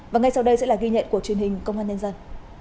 và ngay sau đây sẽ là ghi nhận của truyền hình công an nhân dân